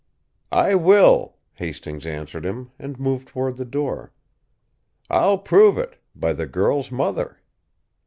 "I will," Hastings answered him, and moved toward the door; "I'll prove it by the girl's mother."